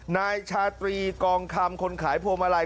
นายชาตรีกองคำคนขายพวงมาลัย